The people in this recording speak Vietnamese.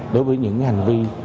đối với những hành vi